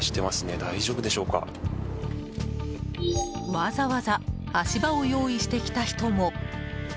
わざわざ、足場を用意してきた人も。